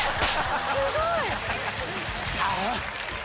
すごい。